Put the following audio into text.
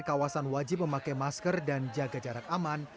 kawasan wajib memakai masker dan jaga jarak aman